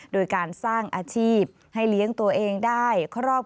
โดยการสร้างอาชีพให้เลี้ยงตัวเองได้ครอบ